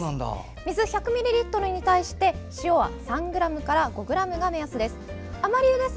水１００ミリリットルに対して塩３ｇから５ｇが目安です。